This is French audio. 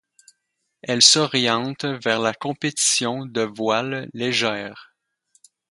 Elle s'oriente vers la compétition de voile légère.